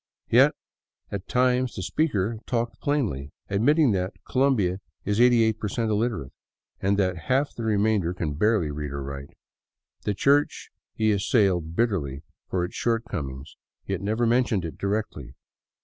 Yet at times the speaker talked plainly, admitting that Colombia is 88% illiterate and that half the remainder can barely read and write. The Church he assailed bitterly for its shortcomings, yet never mentioned it directly.